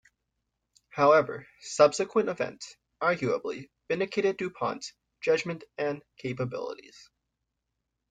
However, subsequent events arguably vindicated Du Pont's judgment and capabilities.